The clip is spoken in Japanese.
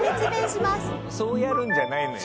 そうやるんじゃないのよ。